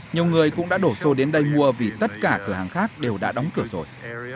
nhiều người cũng đã đổ xô đến đây mua vì tất cả cửa hàng khác đều đã đóng cửa rồi